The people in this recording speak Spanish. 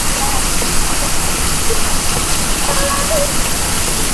La actriz estaba lejos de las novelas desde "Máscaras" en Record.